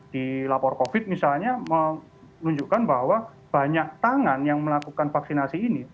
di lapor covid misalnya menunjukkan bahwa banyak tangan yang melakukan vaksinasi ini